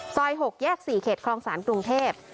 ๖แยก๔เขตคลองศาลกรุงเทพ